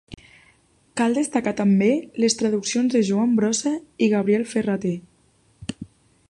Cal destacar també les traduccions de Joan Brossa i Gabriel Ferrater.